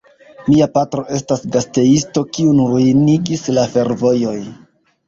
Mia patro estas gastejisto, kiun ruinigis la fervojoj.